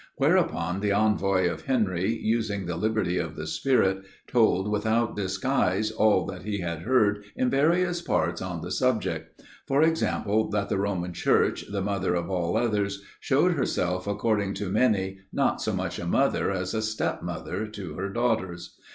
Whereupon, the envoy of Henry, using the liberty of the spirit, told without disguise, all that he had heard in various parts on the subject. For example: that the Roman Church, the mother of all others, showed herself according to many not so much a mother as a step mother to her daughters.